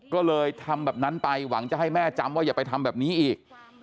ก็เลยทำแบบนั้นไปหวังจะให้แม่จำว่าอย่าไปทำแบบนี้อีก